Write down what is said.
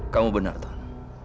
kamu benar tuan